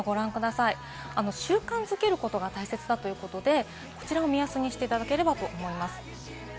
習慣づけることが大切だということで、こちらを目安にしていただければと思います。